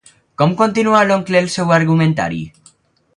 Com continua l'oncle el seu argumentari?